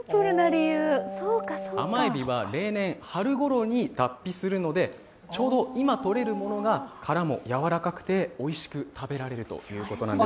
甘えびは例年春ごろに脱皮するので、ちょうど今とれるものが殻も柔らかくておいしく食べられるということで。